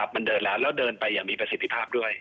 มันเดินแล้วแล้วเดินไปอย่างมีประสิทธิภาพด้วย